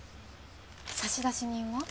差出人は？